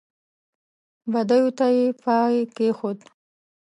بدیو ته یې پای کېښود.